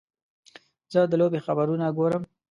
زه د لوبې خبرونه ګورم.